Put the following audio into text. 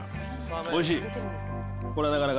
おいしい！